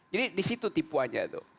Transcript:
jadi disitu tipu aja tuh